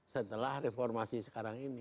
setelah reformasi sekarang ini